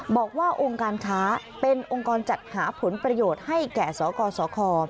บอกว่าองค์การค้าเป็นองค์กรจัดหาผลประโยชน์ให้แก่สกสค